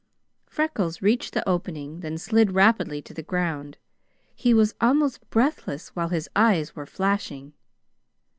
Freckles reached the opening, then slid rapidly to the ground. He was almost breathless while his eyes were flashing.